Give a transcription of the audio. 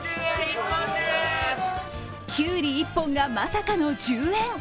きゅうり１本がまさかの１０円。